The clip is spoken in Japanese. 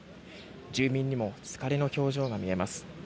住民にも疲れの表情が見えます。